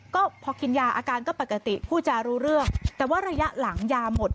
ก็พอกินยาอาการก็ปกติผู้จารู้เรื่องแต่ว่าระยะหลังยาหมด